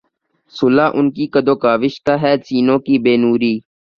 صلہ ان کی کد و کاوش کا ہے سینوں کی بے نوری